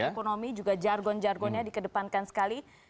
ekonomi juga jargon jargonnya dikedepankan sekali